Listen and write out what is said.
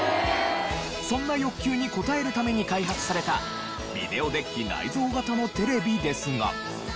そんな欲求に応えるために開発されたビデオデッキ内蔵型のテレビですが。